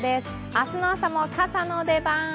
明日の朝も傘の出番。